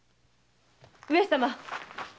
・上様。